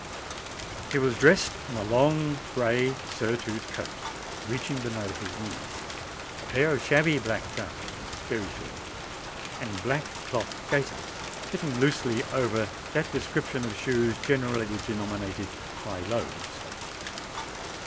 He was dressed in a long grey surtout coat, reaching below his knees; a pair of shabby black trousers, very short; and black cloth gaiters fitting loosely over that description of shoes generally denominated high lows.